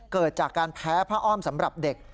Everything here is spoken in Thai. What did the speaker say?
เกิดจากการแพ้ผ้าอ้อมสำหรับเด็ก